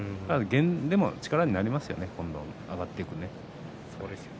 でも力になりますよね上がっていくのに。